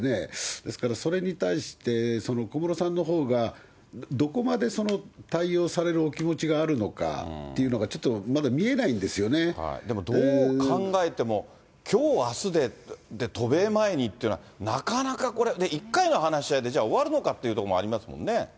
ですから、それに対して、小室さんのほうが、どこまで対応されるお気持ちがあるのかっていうのが、ちょっとまでもどう考えても、きょう、あすでって、渡米前にっていうのは、なかなかこれ、１回の話し合いで、じゃあ、終わるのかっていうところもありますもんね。